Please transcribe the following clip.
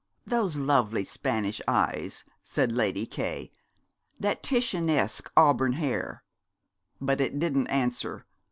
"Those lovely Spanish eyes," said Lady K , "that Titianesque auburn hair!" But it didn't answer.